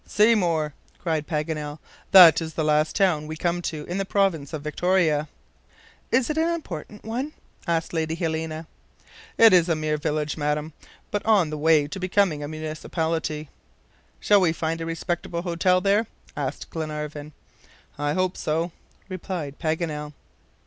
"Seymour!" cried Paganel; "that is the last town we come to in the province of Victoria." "Is it an important one?" asked Lady Helena. "It is a mere village, madam, but on the way to become a municipality." "Shall we find a respectable hotel there?" asked Glenarvan. "I hope so," replied Paganel.